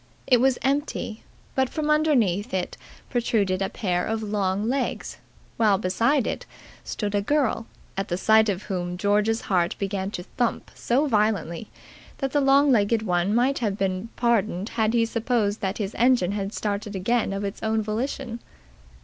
It was empty, but from underneath it protruded a pair of long legs, while beside it stood a girl, at the sight of whom George's heart began to thump so violently that the long legged one might have been pardoned had he supposed that his engine had started again of its own volition.